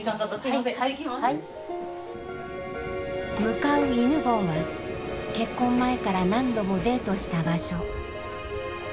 向かう犬吠は結婚前から何度もデートした場所。